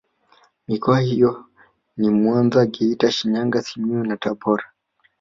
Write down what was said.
Mikoa hiyo ni Mwanza Geita Shinyanga Simiyu na Tabora